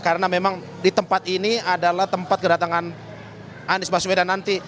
karena memang di tempat ini adalah tempat kedatangan anies baswedan nanti